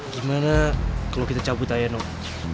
gimana kalau kita cabut aja nuh